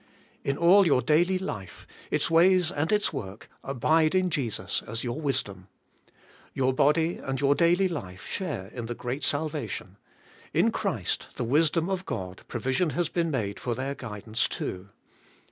In all your daily life^ its ways and its work, abide in Jesus as your wisdom. Your body and your daily life share in the great salvation : in Christ, the wisdom of God, provision has been made for their guidance too.